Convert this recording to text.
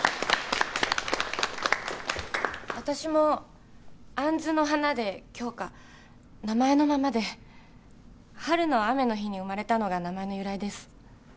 私も杏の花で杏花名前のままで春の雨の日に生まれたのが名前の由来です